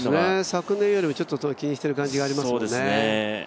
昨年よりも気にしている感じがありますもんね。